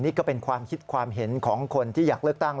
นี่ก็เป็นความคิดความเห็นของคนที่อยากเลือกตั้ง